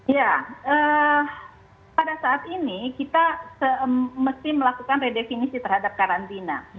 ya pada saat ini kita mesti melakukan redefinisi terhadap karantina